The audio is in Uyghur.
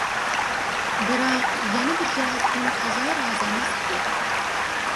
بىراق، يەنە بىر جەھەتتىن تازا رازى ئەمەس ئىدى.